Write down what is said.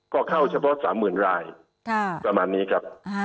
ก็เข้าเฉพาะ๓๐๐๐รายประมาณนี้ครับ